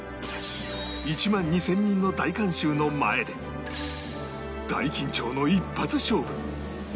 １万２０００人の大観衆の前で大緊張の一発勝負